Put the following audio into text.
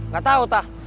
gak tahu ta